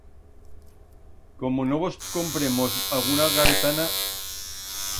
Como no vos compremos alguna cabezana.